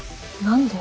何で？